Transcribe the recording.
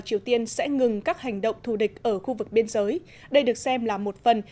triều tiên sẽ ngừng các hành động thù địch ở khu vực biên giới đây được xem là một phần